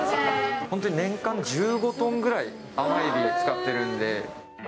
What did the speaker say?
本当に年間１５トンぐらい、甘エビを使ってるんで。